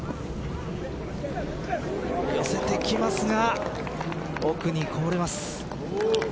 寄せてきますが奥にこぼれます。